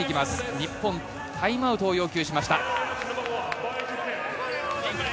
日本、タイムアウトを要求しました。